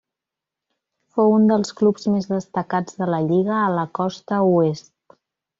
Fou un dels clubs més destacats de la lliga a la costa oest.